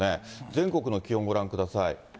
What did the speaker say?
全国の気温、ご覧ください。